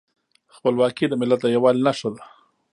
خپلواکي د ملت د یووالي نښه ده.